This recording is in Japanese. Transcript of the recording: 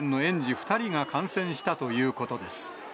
２人が感染したということです。